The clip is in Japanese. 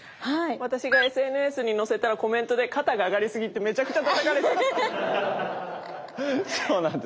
私がＳＮＳに載せたらコメントで「肩が上がりすぎ」ってめちゃくちゃたたかれたの。